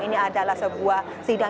ini adalah sebuah sidang